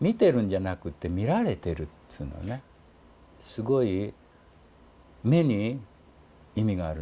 「すごい目に意味があるね」